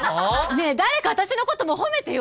ねえ誰か私のことも褒めてよ！